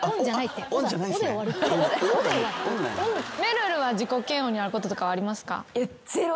めるるは自己嫌悪になることとかありますか？